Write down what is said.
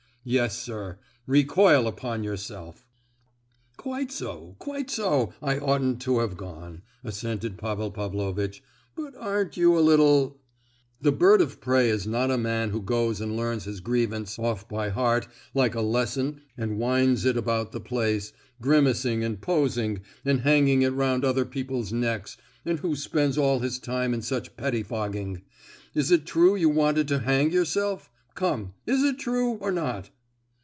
Yes, sir, recoil upon yourself!" "Quite so, quite so, I oughtn't to have gone," assented Pavel Pavlovitch, "but aren't you a little——" "The bird of prey is not a man who goes and learns his grievance off by heart, like a lesson, and whines it about the place, grimacing and posing, and hanging it round other people's necks, and who spends all his time in such pettifogging. Is it true you wanted to hang yourself? Come, is it true, or not?"